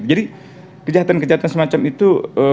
jadi kejahatan kejahatan semacam itu